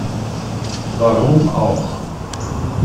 Warum auch?